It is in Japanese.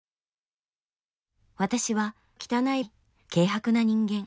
「私は汚い軽薄な人間。